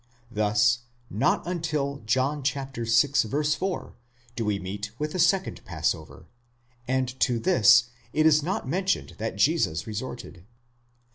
Thus not untii John vi. 4, do we meet with the second passover, and to this it is not mentioned that Jesus resorted.